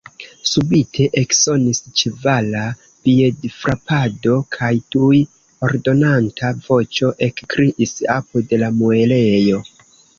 Subite eksonis ĉevala piedfrapado, kaj tuj ordonanta voĉo ekkriis apud la muelejo.